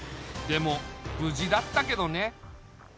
でもぶじだったけどね。